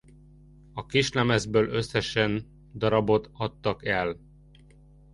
A kislemezből összesen darabot adtak el.